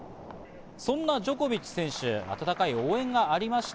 そんなジョコビッチ選手、温かい応援がありました。